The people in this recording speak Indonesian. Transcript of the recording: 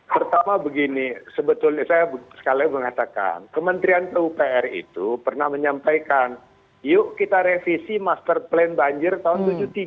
pertama begini sebetulnya saya sekali lagi mau mengatakan kementrian pupr itu pernah menyampaikan yuk kita revisi master plan banjir tahun tujuh puluh tiga